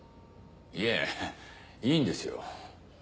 いえいいんですよ。